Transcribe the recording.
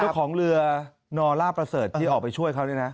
เจ้าของเรือนอล่าประเสริฐที่ออกไปช่วยเขาเนี่ยนะ